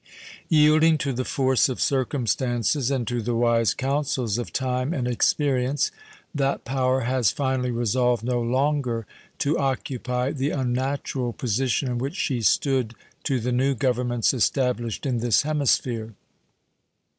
Yielding to the force of circumstances and to the wise counsels of time and experience, that power has finally resolved no longer to occupy the unnatural position in which she stood to the new Governments established in this hemisphere.